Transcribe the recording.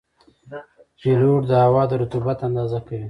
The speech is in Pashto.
پیلوټ د هوا د رطوبت اندازه کوي.